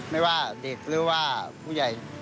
ไม่ว่าเด็กหรือว่าผู้ใหญ่